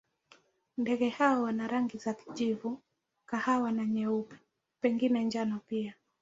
Ndege hawa wana rangi za kijivu, kahawa na nyeupe, pengine njano pia.